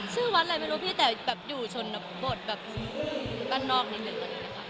ชื่อวัดอะไรไม่รู้พี่แต่อยู่ชนบทแบบบ้านนอกนิดนึง